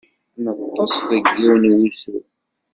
Neṭṭeṣ deg yiwen n wusu.